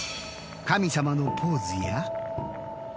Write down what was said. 神さまのポーズや。